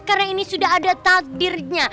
karena ini sudah ada takdirnya